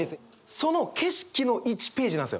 その景色の１ページなんですよ。